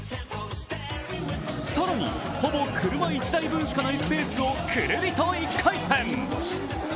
更に、ほぼ車１台分の幅しかないスペースをくるりと一回転。